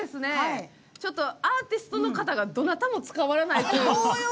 ちょっとアーティストの方がどなたも、つかまらないという。